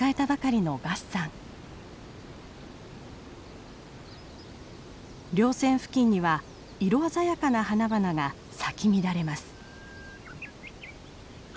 りょう線付近には色鮮やかな花々が咲き乱れます。